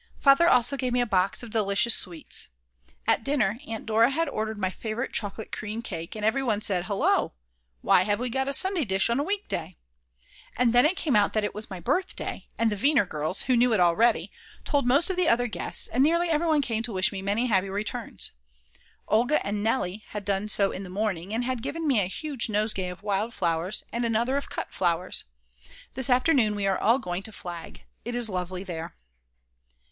Father also gave me a box of delicious sweets. At dinner Aunt Dora had ordered my favourite chocolate cream cake, and every one said: Hullo, why have we got a Sunday dish on a weekday? And then it came out that it was my birthday, and the Weiner girls, who knew it already, told most of the other guests and nearly everyone came to wish me many happy returns. Olga and Nelly had done so in the morning, and had given me a huge nosegay of wild flowers and another of cut flowers. This afternoon we are all going to Flagg; it is lovely there.